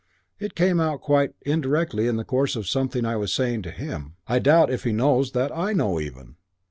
It came out quite indirectly in the course of something I was saying to him. I doubt if he knows that I know even.